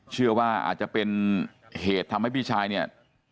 เชื่อว่าอาจจะเป็นเหตุทำให้พี่ชายเนี่ย